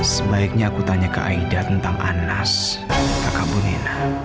sebaiknya aku tanya ke aida tentang anas kakak bone